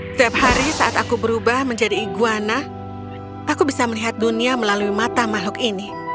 setiap hari saat aku berubah menjadi iguana aku bisa melihat dunia melalui mata makhluk ini